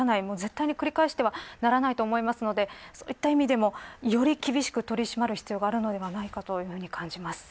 絶対に繰り返してはならないと思いますのでそういった意味でもより厳しく取り締まる必要があるのではないかと感じます。